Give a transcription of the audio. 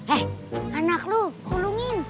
eh anak lu tulungin